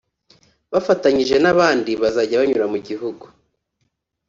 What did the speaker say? Bafatanyije n abandi bazajya banyura mu gihugu